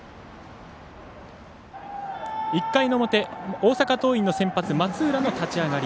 １回の表、大阪桐蔭の先発松浦の立ち上がり。